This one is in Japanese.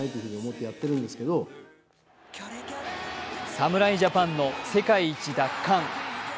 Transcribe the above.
侍ジャパンの世界一奪還。